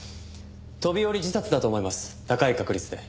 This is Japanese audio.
飛び降り自殺だと思います高い確率で。